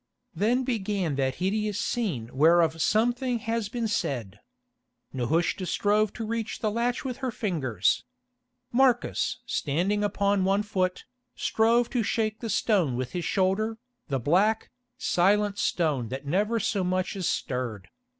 Then began that hideous scene whereof something has been said. Nehushta strove to reach the latch with her fingers. Marcus, standing upon one foot, strove to shake the stone with his shoulder, the black, silent stone that never so much as stirred.